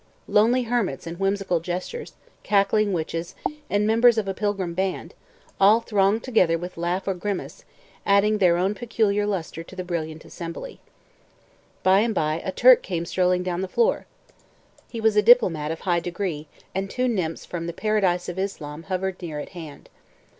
Lonely hermits and whimsical jesters, cackling witches, and members of a pilgrim band all thronged together with laugh or grimace, adding their own peculiar lustre to the brilliant assembly. By and by a Turk came strolling down the floor; he was a diplomat of high degree, and two nymphs from the paradise of Islam hovered near at hand.